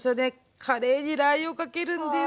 カレーにラー油をかけるんです。